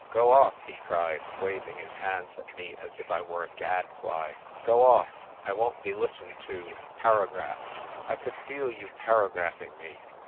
"Go off!" he cried, waving his hands at me as if I were a gadfly. " Go off! I won't be listened to and paragraphed. I could feel you paragraphing me.